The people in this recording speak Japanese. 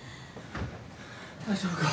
大丈夫か？